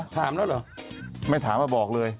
ถามแล้วเหรอไม่ถามว่าบอกเลย